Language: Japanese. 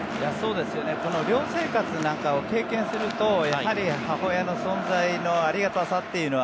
この寮生活なんかを経験すると母親の存在のありがたさというのを